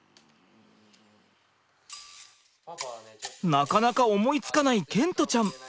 なかなか思いつかない賢澄ちゃん。